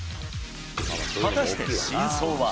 果たして真相は。